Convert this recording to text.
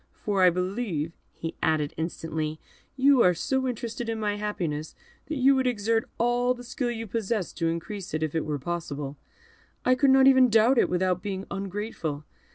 for I believe," he added, instantly, "you are so interested in my happiness, that you would exert all the skill you possess to increase it, if it were possible. I could not even doubt it, without being ungrateful.